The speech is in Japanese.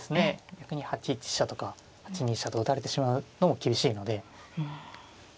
逆に８一飛車とか８二飛車と打たれてしまうのも厳しいので。